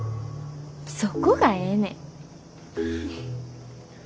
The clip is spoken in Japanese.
そこがええねん。